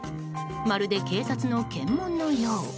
まるで警察の検問のよう。